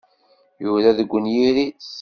Yura deg unyir-is.